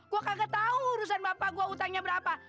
gue kagak tahu urusan bapak gue utangnya berapa